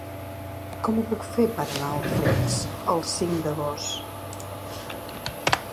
Com ho puc fer per anar a Flix el cinc d'agost?